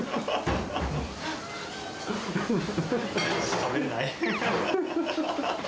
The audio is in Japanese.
しゃべれない？